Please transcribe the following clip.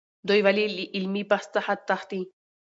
دوی ولې له علمي بحث څخه تښتي؟